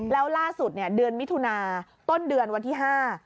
แล้วล่าสุดเนี่ยเดือนมิถุนาต้นเดือนวันที่ห้า